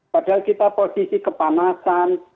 padahal kita posisi kepanasan